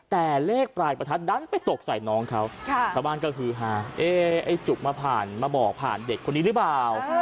แต่เลขปลายประทัดดันไปตกใส่น้องเขาสมบัติก็คือไอ้จุกมาบอกผ่านเด็กคนนี้หรือเปล่า